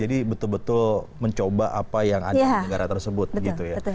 jadi betul betul mencoba apa yang ada di negara tersebut gitu ya